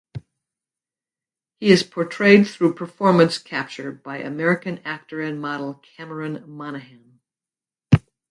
He is portrayed through performance capture by American actor and model Cameron Monaghan.